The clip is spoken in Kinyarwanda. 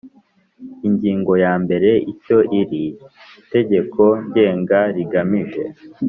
Ingingo ya mbere Icyo iri tegeko ngenga rigamije